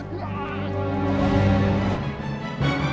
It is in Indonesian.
huan kh mane